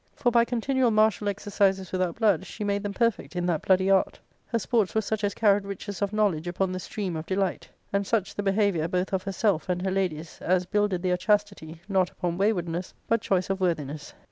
For, by continual mar tial exercises without blood, she made them perfect in that bloody art Her sports were such as carried riches of know ledge upon the stream of delight; and such the behaviour, both of herself and her ladies, as builded their chastity, not upon waywardness, but choice of worthiness.